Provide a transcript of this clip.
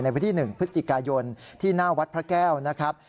วันที่๑พฤศจิกายนที่หน้าวัดพระแก้วนะครับ